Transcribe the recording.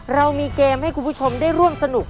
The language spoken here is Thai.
เรามีเกมให้คุณผู้ชมได้ร่วมสนุก